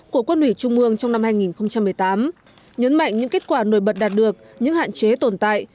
của quân ủy trung mương trong năm hai nghìn một mươi tám nhấn mạnh những kết quả nổi bật đạt được những hạn chế tồn tại